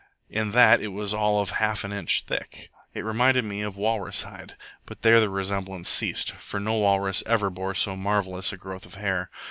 In that it was all of half an inch thick, it reminded me of walrus hide; but there the resemblance ceased, for no walrus ever bore so marvellous a growth of hair.